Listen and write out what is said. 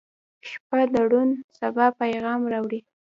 • شپه د روڼ سبا پیغام راوړي.